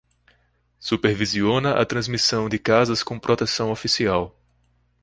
Supervisiona a transmissão de casas com proteção oficial.